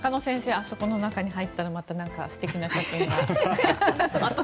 あそこの中に入ったらまた素敵な写真が。